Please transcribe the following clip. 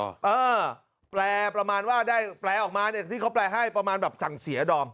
เออแปลประมาณว่าได้แปลออกมาเนี่ยที่เขาแปลให้ประมาณแบบสั่งเสียดอม